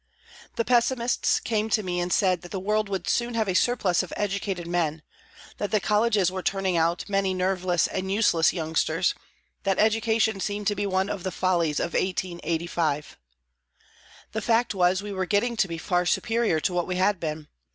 The pessimists came to me and said that the world would soon have a surplus of educated men, that the colleges were turning out many nerveless and useless youngsters, that education seemed to be one of the follies of 1885. The fact was we were getting to be far superior to what we had been.